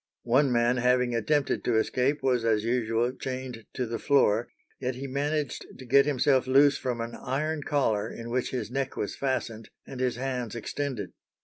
One man having attempted to escape was as usual chained to the floor, yet he managed to get himself loose from an iron collar in which his neck was fastened and his hands extended.